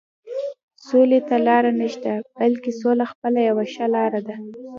سولې ته لاره نشته، بلکې سوله خپله یوه ښه لاره ده.